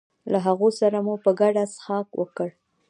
له هغو سره مو په ګډه څښاک وکړ.